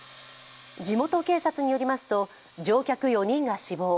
地元警察によりますと乗客４人が死亡